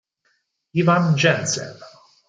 Ivan Jensen